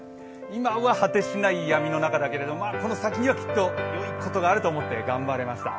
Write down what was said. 今は果てしない闇の中だけれどもこの先にはきっといいことがあると思って頑張れました。